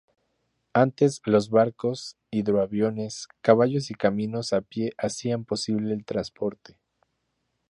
Antes, los barcos, hidroaviones, caballos y caminos a pie hacían posible el transporte.